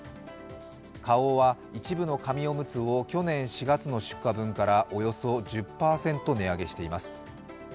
花王は一部の紙おむつを去年４月の出荷分からおよそ１０％値上げしています。